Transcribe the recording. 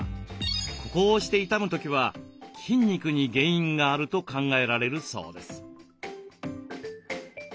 ここを押して痛む時は筋肉に原因があると考えられるそうです。